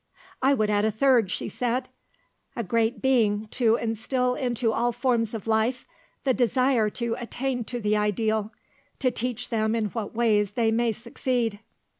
"I would add a third," she said; "a great Being to instil into all forms of life the desire to attain to the ideal; to teach them in what ways they may succeed."